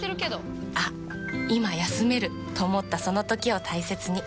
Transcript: あっ今休めると思ったその時を大切に。